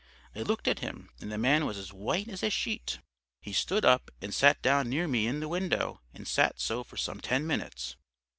I looked at him and the man was as white as a sheet. He stood up, and sat down near me in the window and sat so for some ten minutes.